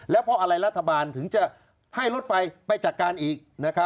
แล้วเพราะอะไรรัฐบาลถึงจะให้รถไฟไปจัดการอีก